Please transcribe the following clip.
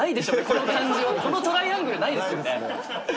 このトライアングルないですよね。